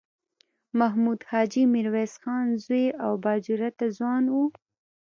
محمود حاجي میرویس خان زوی او با جرئته ځوان و.